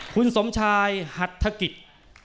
คุณสมชายธกิจ